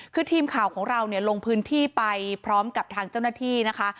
คือทีมข่าวของเราเนี่ยลงพื้นที่ไปพร้อมกับทางเจ้าหน้าที่นะคะ